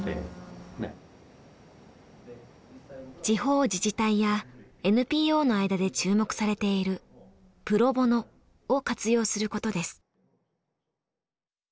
地方自治体やＮＰＯの間で注目されているプロボノを活用することです。